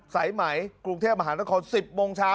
สายไหมกรุงเทพมหานคร๑๐โมงเช้า